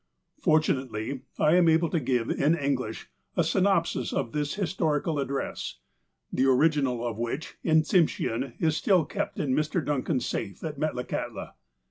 Fortunately, I am able to give, in English, a synopsis of this historical address, the original of which, in Tsim shean, is still kept in Mr. Duncan's safe at Metlakahtla.